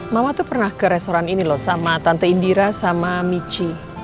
mama tuh pernah ke restoran ini loh sama tante indira sama michi